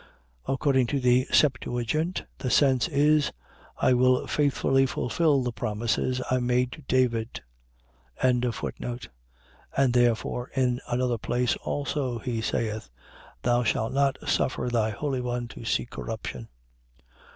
According to the Septuagint, the sense is: I will faithfully fulfil the promises I made to David. 13:35. And therefore, in another place also, he saith: Thou shalt not suffer thy holy one to see corruption.